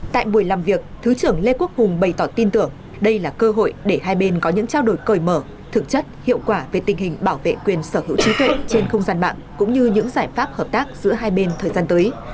tại buổi làm việc thứ trưởng lê quốc hùng bày tỏ tin tưởng đây là cơ hội để hai bên có những trao đổi cởi mở thực chất hiệu quả về tình hình bảo vệ quyền sở hữu trí tuệ trên không gian mạng cũng như những giải pháp hợp tác giữa hai bên thời gian tới